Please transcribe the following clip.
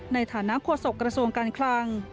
ในฐานะโฆษกระทรวงการคลัง